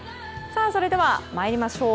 それでは参りましょう。